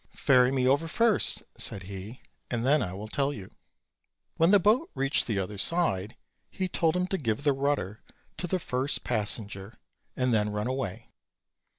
"Ferry me over first," "said he, and then I will tell you." _When the boat reached the other side he told him to give the rudder to the first passenger and then run away.